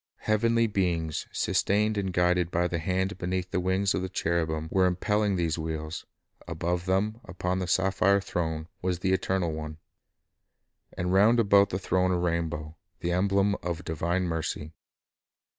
Heavenly beings, sustained and guided by the hand beneath the wings of the cherubim, were impelling these wheels; above them, upon the sapphire throne, was the Eternal One; and round about the throne a rainbow, the emblem of divine mercy.